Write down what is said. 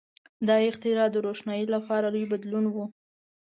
• دا اختراع د روښنایۍ لپاره لوی بدلون و.